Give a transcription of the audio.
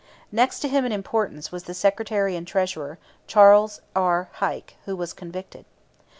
Next to him in importance was the secretary and treasurer, Charles R. Heike, who was convicted.